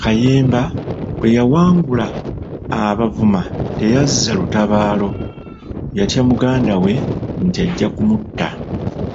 Kayemba bwe yawangula Abavuma teyazza lutabaalo, yatya muganda we nti ajja kumutta.